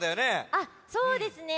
あっそうですね。